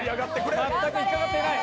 全く引っ掛かっていない！